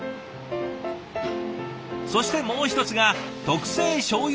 そしてもう一つが特製しょうゆ